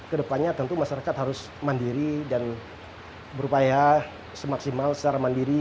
kedepannya tentu masyarakat harus mandiri dan berupaya semaksimal secara mandiri